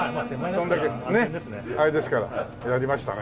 それだけねあれですからやりましたね。